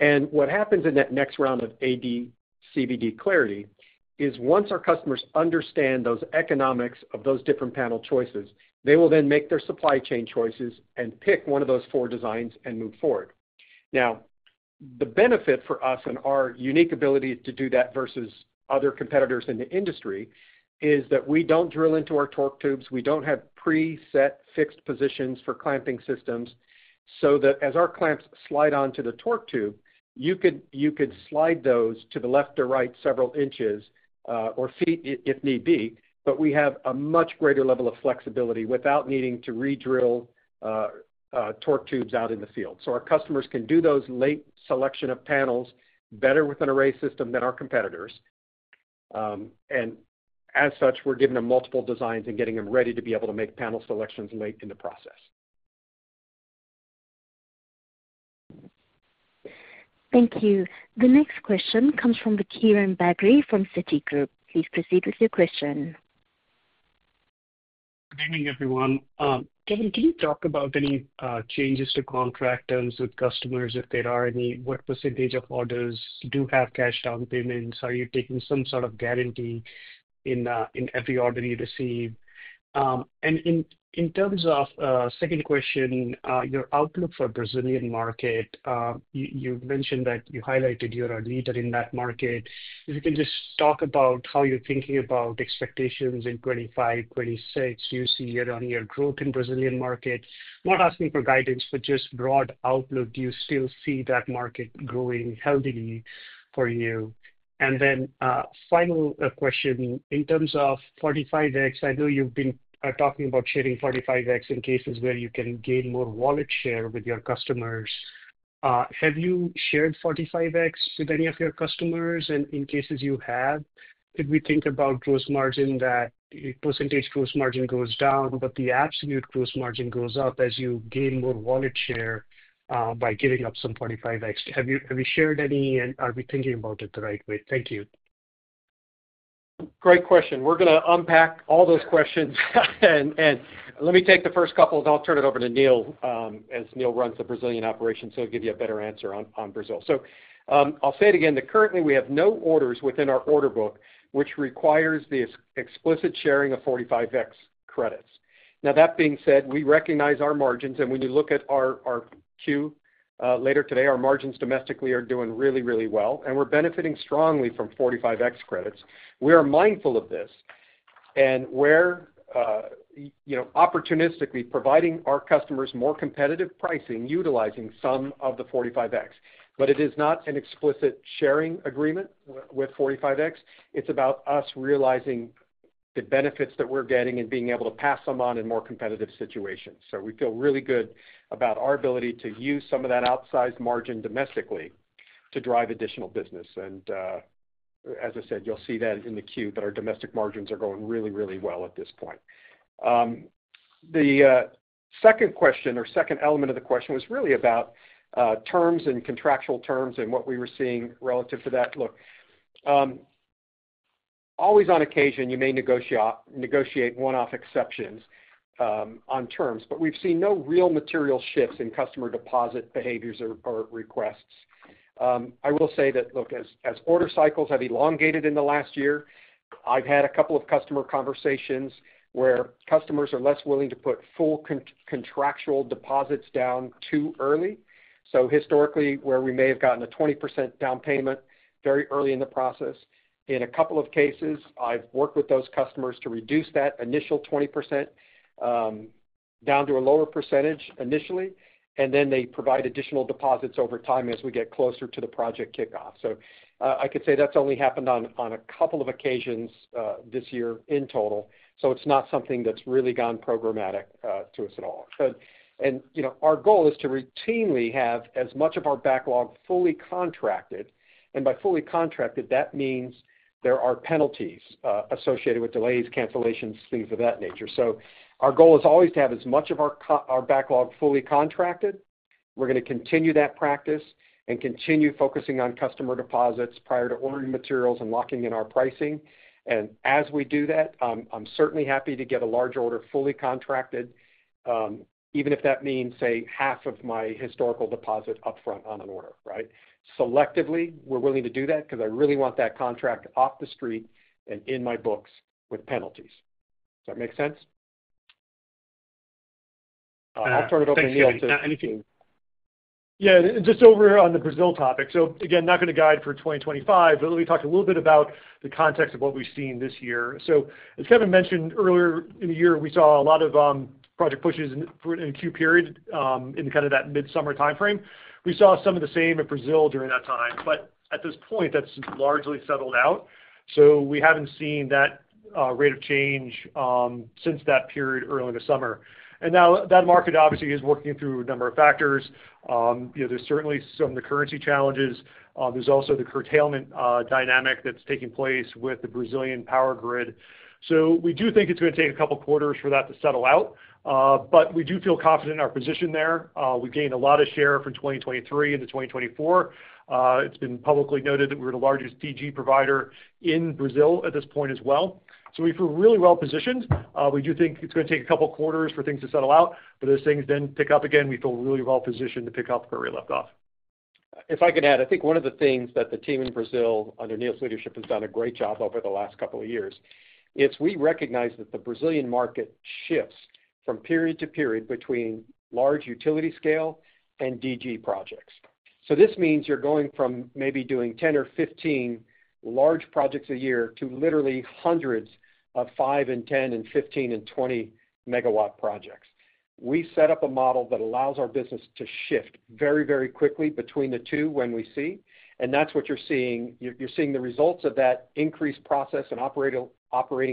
And what happens in that next round of AD/CVD clarity is once our customers understand those economics of those different panel choices, they will then make their supply chain choices and pick one of those four designs and move forward. Now, the benefit for us and our unique ability to do that versus other competitors in the industry is that we don't drill into our torque tubes. We don't have preset fixed positions for clamping systems so that as our clamps slide onto the torque tube, you could slide those to the left or right several inches or feet if need be. But we have a much greater level of flexibility without needing to redrill torque tubes out in the field. So our customers can do those late selection of panels better with an Array system than our competitors. And as such, we're giving them multiple designs and getting them ready to be able to make panel selections late in the process. Thank you. The next question comes from Vikram Bagri from Citigroup. Please proceed with your question. Good evening, everyone. Can you talk about any changes to contract terms with customers if there are any? What percentage of orders do have cash down payments? Are you taking some sort of guarantee in every order you receive? And in terms of second question, your outlook for Brazilian market, you've mentioned that you highlighted you're a leader in that market. If you can just talk about how you're thinking about expectations in 2025, 2026, you see year-on-year growth in Brazilian market. Not asking for guidance, but just broad outlook. Do you still see that market growing healthily for you? And then final question. In terms of 45X, I know you've been talking about sharing 45X in cases where you can gain more wallet share with your customers. Have you shared 45X with any of your customers? And in cases you have, could we think about gross margin that percentage gross margin goes down, but the absolute gross margin goes up as you gain more wallet share by giving up some 45X? Have you shared any, and are we thinking about it the right way? Thank you. Great question. We're going to unpack all those questions, and let me take the first couple, and I'll turn it over to Neil as Neil runs the Brazilian operation, so he'll give you a better answer on Brazil, so I'll say it again, that currently we have no orders within our order book, which requires the explicit sharing of 45X credits. Now, that being said, we recognize our margins, and when you look at our queue later today, our margins domestically are doing really, really well, and we're benefiting strongly from 45X credits. We are mindful of this and we're opportunistically providing our customers more competitive pricing utilizing some of the 45X, but it is not an explicit sharing agreement with 45X. It's about us realizing the benefits that we're getting and being able to pass them on in more competitive situations, so we feel really good about our ability to use some of that outsized margin domestically to drive additional business, and as I said, you'll see that in the queue, but our domestic margins are going really, really well at this point. The second question or second element of the question was really about terms and contractual terms and what we were seeing relative to that. Look, always on occasion, you may negotiate one-off exceptions on terms, but we've seen no real material shifts in customer deposit behaviors or requests. I will say that, look, as order cycles have elongated in the last year, I've had a couple of customer conversations where customers are less willing to put full contractual deposits down too early. So historically, where we may have gotten a 20% down payment very early in the process, in a couple of cases, I've worked with those customers to reduce that initial 20% down to a lower percentage initially, and then they provide additional deposits over time as we get closer to the project kickoff. So I could say that's only happened on a couple of occasions this year in total. So it's not something that's really gone programmatic to us at all. And our goal is to routinely have as much of our backlog fully contracted. And by fully contracted, that means there are penalties associated with delays, cancellations, things of that nature. Our goal is always to have as much of our backlog fully contracted. We're going to continue that practice and continue focusing on customer deposits prior to ordering materials and locking in our pricing. And as we do that, I'm certainly happy to get a large order fully contracted, even if that means, say, half of my historical deposit upfront on an order, right? Selectively, we're willing to do that because I really want that contract off the street and in my books with penalties. Does that make sense? I'll turn it over to Neil to. Yeah. Just over on the Brazil topic. So again, not going to guide for 2025, but let me talk a little bit about the context of what we've seen this year. So as Kevin mentioned earlier in the year, we saw a lot of project pushes in a queue period in kind of that mid-summer timeframe. We saw some of the same in Brazil during that time. But at this point, that's largely settled out. So we haven't seen that rate of change since that period early in the summer. And now that market obviously is working through a number of factors. There's certainly some of the currency challenges. There's also the curtailment dynamic that's taking place with the Brazilian power grid. So we do think it's going to take a couple of quarters for that to settle out. But we do feel confident in our position there. We've gained a lot of share from 2023 into 2024. It's been publicly noted that we're the largest DG provider in Brazil at this point as well. So we feel really well positioned. We do think it's going to take a couple of quarters for things to settle out. But as things then pick up again, we feel really well positioned to pick up where we left off. If I could add, I think one of the things that the team in Brazil under Neil's leadership has done a great job over the last couple of years is we recognize that the Brazilian market shifts from period to period between large utility-scale and DG projects. So this means you're going from maybe doing 10 or 15 large projects a year to literally hundreds of five and 10 and 15 and 20 megawatt projects. We set up a model that allows our business to shift very, very quickly between the two when we see. And that's what you're seeing. You're seeing the results of that increased process and operating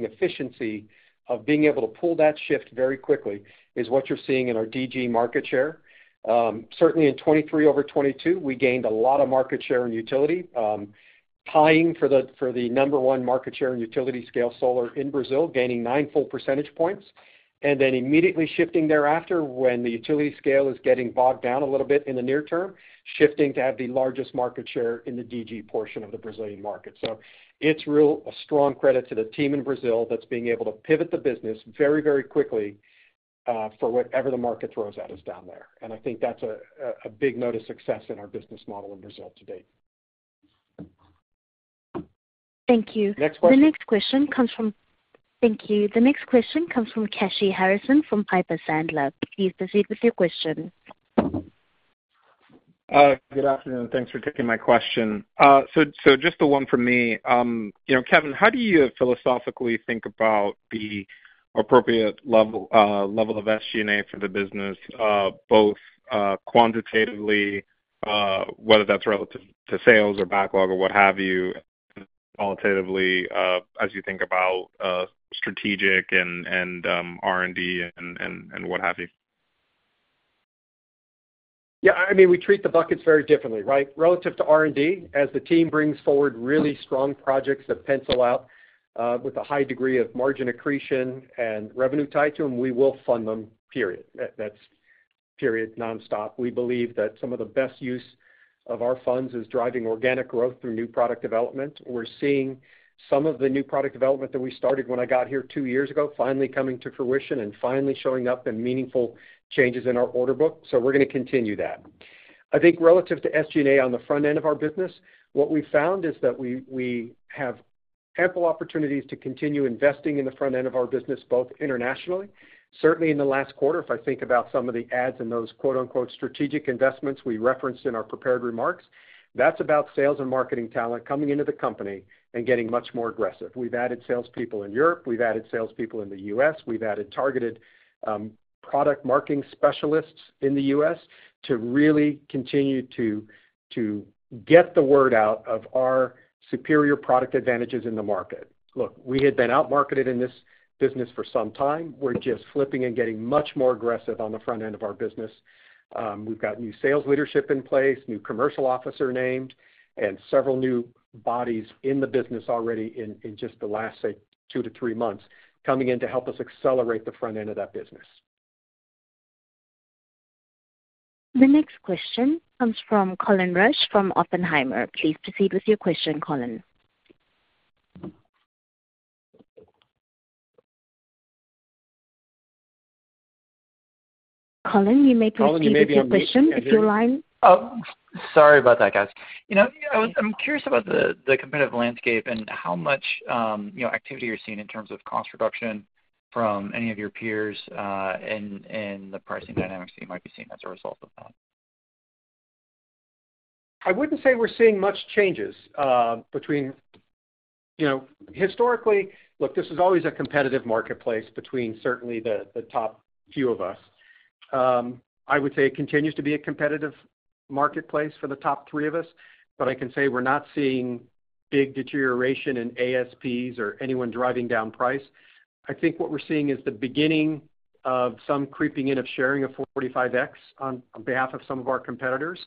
efficiency of being able to pull that shift very quickly is what you're seeing in our DG market share. Certainly in 2023 over 2022, we gained a lot of market share in utility, tying for the number one market share in utility scale solar in Brazil, gaining nine full percentage points. And then immediately shifting thereafter when the utility scale is getting bogged down a little bit in the near term, shifting to have the largest market share in the DG portion of the Brazilian market. So it's real strong credit to the team in Brazil that's being able to pivot the business very, very quickly for whatever the market throws at us down there. And I think that's a big note of success in our business model in Brazil to date. Thank you. The next question comes from. Thank you. The next question comes from Kashy Harrison from Piper Sandler. Please proceed with your question. Good afternoon. Thanks for taking my question. So just the one from me. Kevin, how do you philosophically think about the appropriate level of SG&A for the business, both quantitatively, whether that's relative to sales or backlog or what have you, and qualitatively as you think about strategic and R&D and what have you? Yeah. I mean, we treat the buckets very differently, right? Relative to R&D, as the team brings forward really strong projects that pencil out with a high degree of margin accretion and revenue tied to them, we will fund them, period. That's period, nonstop. We believe that some of the best use of our funds is driving organic growth through new product development. We're seeing some of the new product development that we started when I got here two years ago finally coming to fruition and finally showing up in meaningful changes in our order book, so we're going to continue that. I think relative to SG&A on the front end of our business, what we found is that we have ample opportunities to continue investing in the front end of our business, both internationally. Certainly in the last quarter, if I think about some of the ads and those "strategic investments" we referenced in our prepared remarks, that's about sales and marketing talent coming into the company and getting much more aggressive. We've added salespeople in Europe. We've added salespeople in the U.S. We've added targeted product marketing specialists in the U.S. to really continue to get the word out about our superior product advantages in the market. Look, we had been outmarketed in this business for some time. We're just flipping and getting much more aggressive on the front end of our business. We've got new sales leadership in place, new commercial officer named, and several new bodies in the business already in just the last, say, two to three months coming in to help us accelerate the front end of that business. The next question comes from Colin Rusch from Oppenheimer. Please proceed with your question, Colin. Colin, you may proceed with your question if you're aligned. Sorry about that, guys. I'm curious about the competitive landscape and how much activity you're seeing in terms of cost reduction from any of your peers and the pricing dynamics that you might be seeing as a result of that. I wouldn't say we're seeing much changes between historically. Look, this is always a competitive marketplace between certainly the top few of us. I would say it continues to be a competitive marketplace for the top three of us. But I can say we're not seeing big deterioration in ASPs or anyone driving down price. I think what we're seeing is the beginning of some creeping in of sharing of 45X on behalf of some of our competitors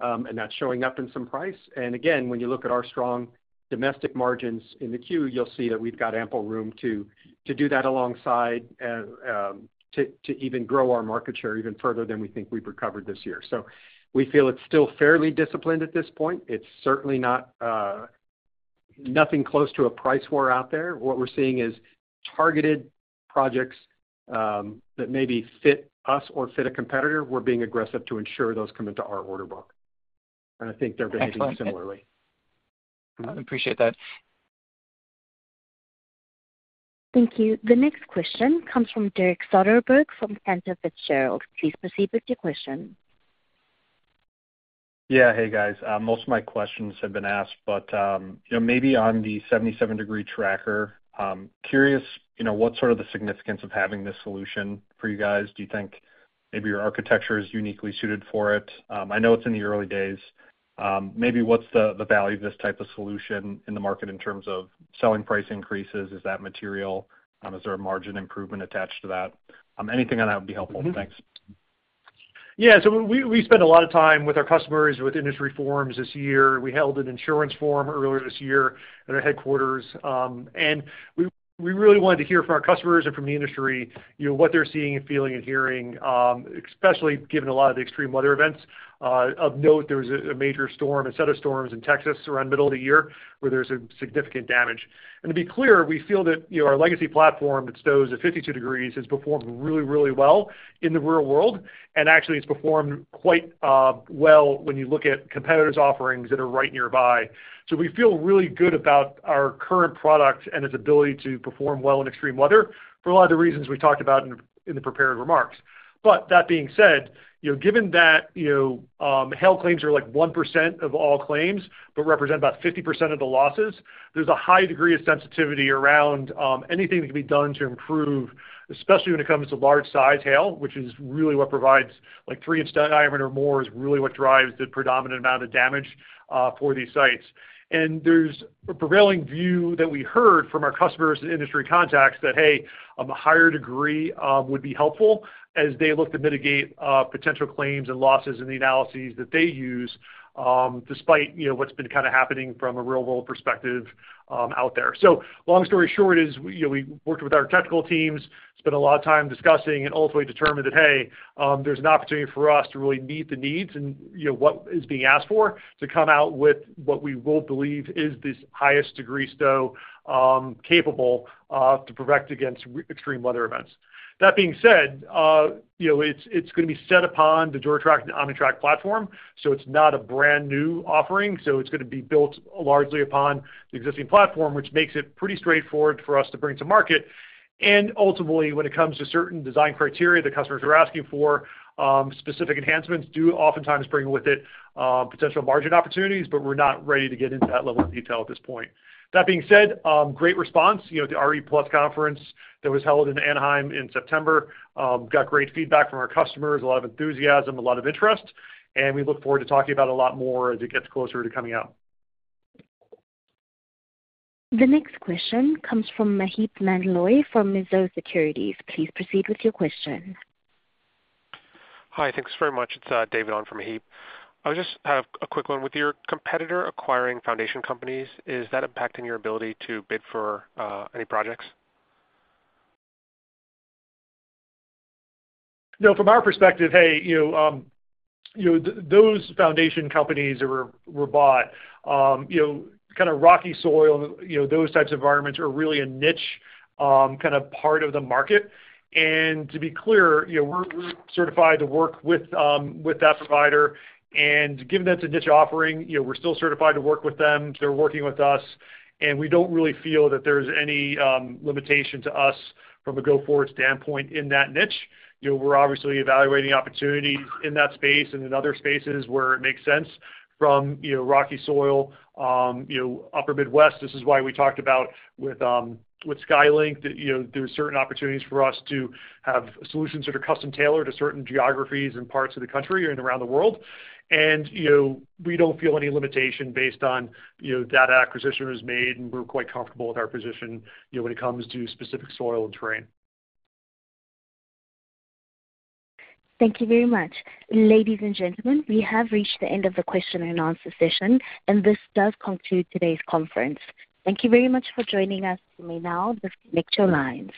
and that showing up in some price. And again, when you look at our strong domestic margins in the queue, you'll see that we've got ample room to do that alongside to even grow our market share even further than we think we've recovered this year. So we feel it's still fairly disciplined at this point. It's certainly nothing close to a price war out there. What we're seeing is targeted projects that maybe fit us or fit a competitor. We're being aggressive to ensure those come into our order book. And I think they're behaving similarly. I appreciate that. Thank you. The next question comes from Derek Soderberg from Cantor Fitzgerald. Please proceed with your question. Yeah. Hey, guys. Most of my questions have been asked, but maybe on the 77-degree tracker, curious what sort of the significance of having this solution for you guys? Do you think maybe your architecture is uniquely suited for it? I know it's in the early days. Maybe what's the value of this type of solution in the market in terms of selling price increases? Is that material? Is there a margin improvement attached to that? Anything on that would be helpful. Thanks. Yeah. So we spent a lot of time with our customers, with industry forums this year. We held an insurance forum earlier this year at our headquarters. We really wanted to hear from our customers and from the industry what they're seeing and feeling and hearing, especially given a lot of the extreme weather events. Of note, there was a major storm, a set of storms in Texas around middle of the year where there was significant damage. To be clear, we feel that our legacy platform that stows at 52 degrees has performed really, really well in the real world. Actually, it's performed quite well when you look at competitors' offerings that are right nearby. So we feel really good about our current product and its ability to perform well in extreme weather for a lot of the reasons we talked about in the prepared remarks. But that being said, given that hail claims are like 1% of all claims but represent about 50% of the losses, there's a high degree of sensitivity around anything that can be done to improve, especially when it comes to large-size hail, which is really what provides like three-inch diameter or more is really what drives the predominant amount of damage for these sites. And there's a prevailing view that we heard from our customers and industry contacts that, "Hey, a higher degree would be helpful," as they look to mitigate potential claims and losses in the analyses that they use despite what's been kind of happening from a real-world perspective out there. So long story short is we worked with our technical teams, spent a lot of time discussing, and ultimately determined that, "Hey, there's an opportunity for us to really meet the needs and what is being asked for to come out with what we will believe is this highest-degree stow capable to protect against extreme weather events." That being said, it's going to be set upon the DuraTrack and OmniTrack platform. So it's not a brand new offering. So it's going to be built largely upon the existing platform, which makes it pretty straightforward for us to bring to market. And ultimately, when it comes to certain design criteria that customers are asking for, specific enhancements do oftentimes bring with it potential margin opportunities, but we're not ready to get into that level of detail at this point. That being said, great response. The RE+ conference that was held in Anaheim in September got great feedback from our customers, a lot of enthusiasm, a lot of interest. We look forward to talking about a lot more as it gets closer to coming out. The next question comes from Maheep Mandloi from Mizuho Securities. Please proceed with your question. Hi. Thanks very much. It's David from Mizuho. I just have a quick one. With your competitor acquiring foundation companies, is that impacting your ability to bid for any projects? From our perspective, hey, those foundation companies that were bought, kind of rocky soil, those types of environments are really a niche kind of part of the market. To be clear, we're certified to work with that provider. Given that's a niche offering, we're still certified to work with them. They're working with us. And we don't really feel that there's any limitation to us from a go-forward standpoint in that niche. We're obviously evaluating opportunities in that space and in other spaces where it makes sense from rocky soil, Upper Midwest. This is why we talked about with SkyLink that there are certain opportunities for us to have solutions that are custom-tailored to certain geographies and parts of the country and around the world. And we don't feel any limitation based on that acquisition was made, and we're quite comfortable with our position when it comes to specific soil and terrain. Thank you very much. Ladies and gentlemen, we have reached the end of the question and answer session, and this does conclude today's conference. Thank you very much for joining us. You may now disconnect your lines.